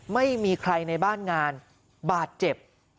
ไม่มีใครในบ้านงานบาดเจ็บ